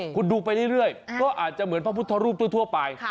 คุณดูไปเรื่อยก็อาจจะเหมือนพระพุทธรูปทั่วไป